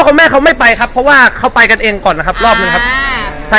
คือเรามั่นใจว่าถ้าชวนเขาไปกับเรา